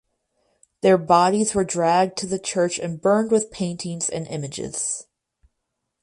Their bodies were dragged to the church and burned with paintings and images.